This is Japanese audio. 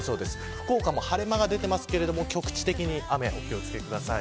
福岡も晴れ間が出てますけれど局地的に雨にお気を付けください。